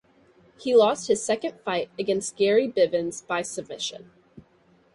He lost his second fight against Gary Bivens by submission.